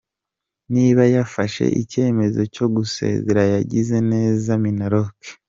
Niba yafashe icyemezo cyo gusezera yagize neza- Minaloc.